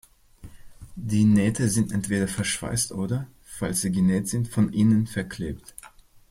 Die Nähte sind entweder verschweißt oder, falls sie genäht sind, von innen verklebt.